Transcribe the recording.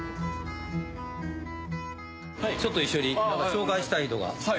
ちょっと一緒に紹介したい人が。